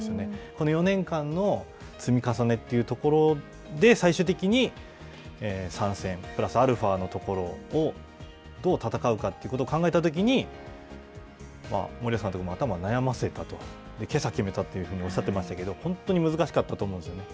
この４年間の積み重ねというところで最終的に３戦プラスアルファのところを、どう戦うかということを考えたときに、森保監督も頭を悩ませたと、けさ決めたというふうにおっしゃっていましたけど、本当に難しかったと思うんですよね。